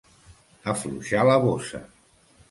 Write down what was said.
Afluixar la bossa.